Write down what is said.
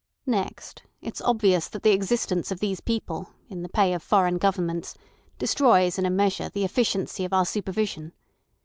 Next, it's obvious that the existence of these people in the pay of foreign governments destroys in a measure the efficiency of our supervision.